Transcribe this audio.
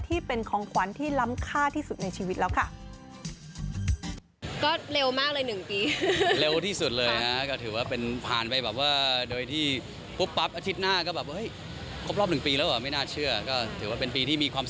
ที่เป็นของขวัญที่ล้ำค่าที่สุดในชีวิตแล้วค่ะ